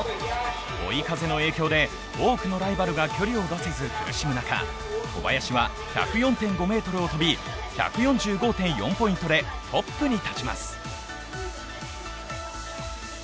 追い風の影響で多くのライバルが距離を出せず苦しむ中、小林は１０４．５ｍを飛び１４５．４ポイントでトップに立ちます